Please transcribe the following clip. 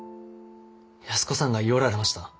安子さんが言ようられました。